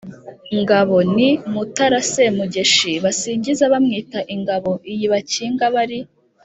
ngabo: ni mutara semugeshi basingiza bamwita ingabo iyi bakinga bari